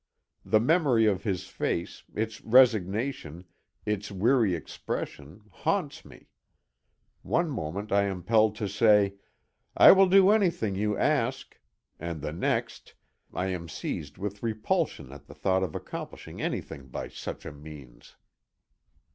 The memory of his face, its resignation, its weary expression, haunts me. One moment I am impelled to say "I will do anything you ask," and the next, I am seized with repulsion at the thought of accomplishing anything by such a means.